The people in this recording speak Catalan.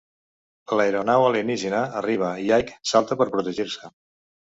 L'aeronau alienígena arriba i Ike salta per protegir-se.